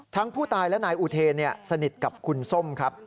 ผู้ตายและนายอุเทนสนิทกับคุณส้มครับ